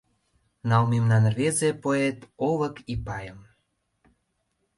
Нал мемнан рвезе поэт Олык Ипайым.